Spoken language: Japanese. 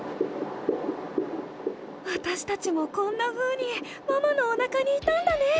わたしたちもこんなふうにママのおなかにいたんだね！